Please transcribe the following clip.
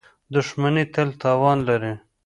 • دښمني تل تاوان لري.